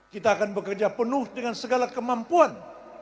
kita akan bekerja penuh dengan segala kemampuan